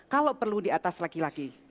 kalau perlu di atas laki laki